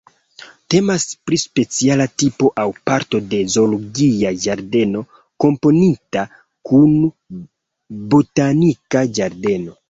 Temas pri speciala tipo aŭ parto de zoologia ĝardeno kombinita kun botanika ĝardeno.